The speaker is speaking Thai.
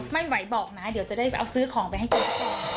ไม่ไหวบอกนะเดี๋ยวจะได้เอาซื้อของไปให้กิน